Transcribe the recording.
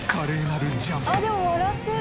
でも笑ってる。